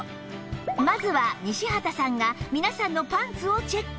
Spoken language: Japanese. まずは西畑さんが皆さんのパンツをチェック